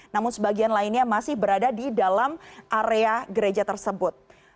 namun sebagian lainnya masih berada di dalam area gereja tersebut